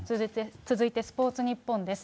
続いてスポーツニッポンです。